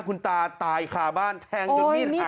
คุณตาตายคาบ้านแทงจนมีดหัก